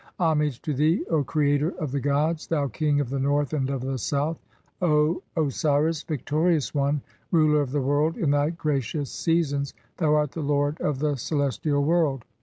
(9) "Homage to thee, O creator of the gods, thou King of the "North and of the South, O Osiris, victorious one, ruler of the "world in thy gracious seasons ; thou art the lord of the celes tial world.